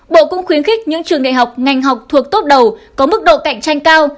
bộ cũng khuyến khích những trường đại học ngành học thuộc tốt đầu có mức độ cạnh tranh cao